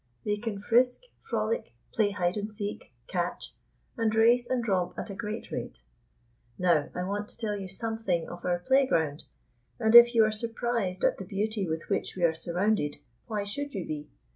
They can frisk, frolic, play "hide and seek", "catch", and race and romp at a great rate. Now I want to tell something of our playground, and if you are surprised at the beauty with which we are surrounded, why should you be?